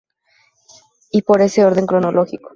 Y por ese orden cronológico.